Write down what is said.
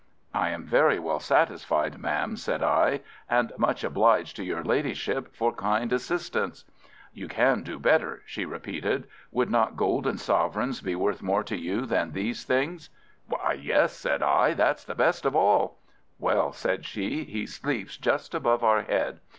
"I am very well satisfied, ma'am," said I, "and much obliged to your Ladyship for kind assistance." "You can do better," she repeated. "Would not golden sovereigns be worth more to you than these things?" "Why, yes," said I. "That's best of all." "Well," said she. "He sleeps just above our head.